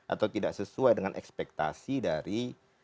atau tidak sesuai dengan ekspektasi dari